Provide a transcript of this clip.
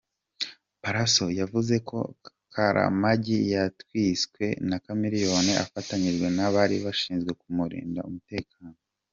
Pallaso yavuze ko Karamagi yatwitswe na Chameleone afatanyije n’abari bashinzwe kumurindira umutekano.